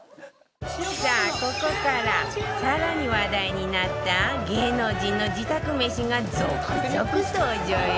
さあここから更に話題になった芸能人の自宅めしが続々登場よ